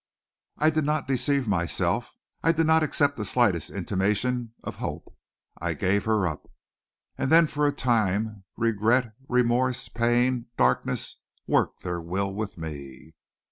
I did not deceive myself; I did not accept the slightest intimation of hope; I gave her up. And then for a time regret, remorse, pain, darkness worked their will with me.